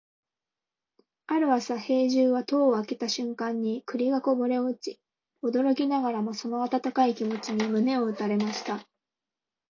ある朝、兵十は戸を開けた瞬間に栗がこぼれ落ち、驚きながらもその温かい気持ちに胸を打たれました。